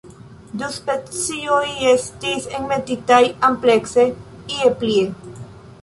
Du specioj estis enmetitaj amplekse ie plie.